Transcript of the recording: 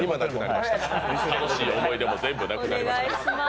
楽しい思い出も全部なくなりました。